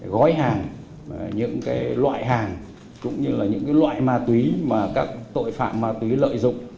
gói hàng những loại hàng cũng như là những loại ma túy mà các tội phạm ma túy lợi dụng